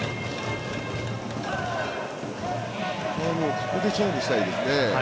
ここで勝負したいですね。